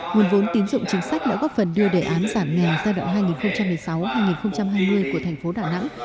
nguồn vốn tín dụng chính sách đã góp phần đưa đề án giảm nghèo giai đoạn hai nghìn một mươi sáu hai nghìn hai mươi của thành phố đà nẵng